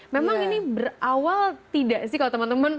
memang ini berawal tidak sih kalau teman teman